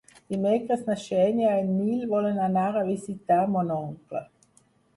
Dimecres na Xènia i en Nil volen anar a visitar mon oncle.